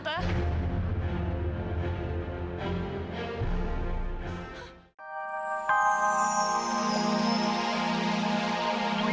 tante aku mau kemana